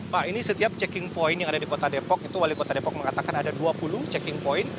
pak ini setiap checking point yang ada di kota depok itu wali kota depok mengatakan ada dua puluh checking point